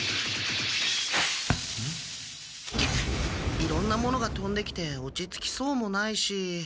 いろんなものがとんできて落ち着きそうもないし。